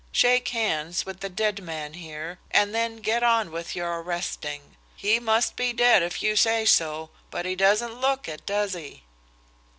Shake hands with the dead man here and then get on with your arresting. He must be dead if you say so, but he doesn't look it, does he?"